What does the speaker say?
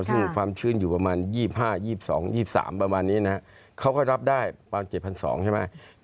ซึ่งความชื้นอยู่ประมาณ๒๕๒๒๒๓ประมาณนี้นะครับเขาก็รับได้ประมาณ๗๒๐๐ใช่ไหม